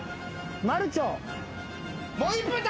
マルチョウ。